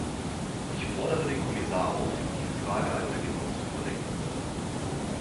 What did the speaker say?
Ich fordere den Kommissar auf, diese Frage einmal genau zu überdenken.